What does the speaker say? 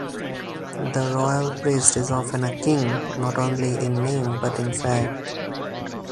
The royal priest is often a king, not only in name but in fact.